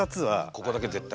ここだけ絶対。